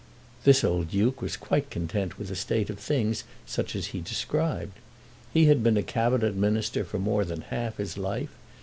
This old Duke was quite content with a state of things such as he described. He had been a Cabinet Minister for more than half his life.